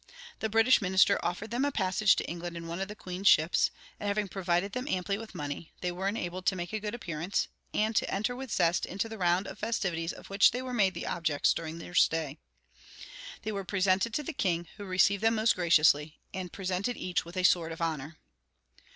The British minister offered them a passage to England in one of the Queen's ships; and having provided them amply with money, they were enabled to make a good appearance, and to enter with zest into the round of festivities of which they were made the objects during their stay. They were presented to the king, who received them most graciously, and presented each with a sword of honor.